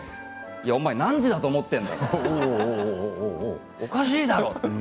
お前何時だと思っているんだ！とおかしいだろって。